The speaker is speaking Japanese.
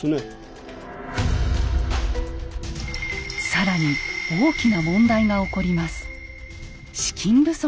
更に大きな問題が起こります。